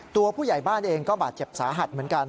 ตัวผู้ใหญ่บ้านเองก็บาดเจ็บสาหัสเหมือนกัน